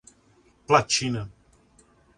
Platina